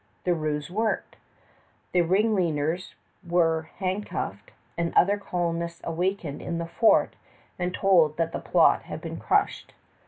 The ruse worked. The ringleaders were handcuffed, the other colonists awakened in the fort and told that the plot had been crushed.